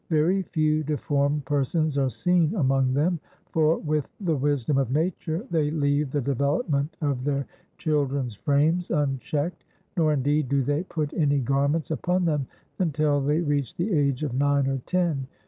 Very few deformed persons are seen among them; for, with the wisdom of nature, they leave the development of their children's frames unchecked, nor, indeed, do they put any garments upon them until they reach the age of nine or ten.